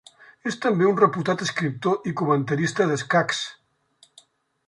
És també un reputat escriptor i comentarista d'escacs.